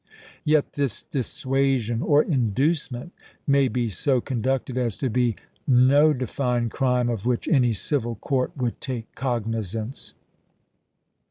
Yet this dissuasion or inducement may be so conducted as to be no denned crime of which any civil court would take cognizance.